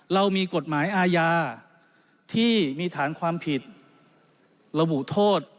เรามีกฎหมายอาญาที่มีฐานความผิดระบุโทษ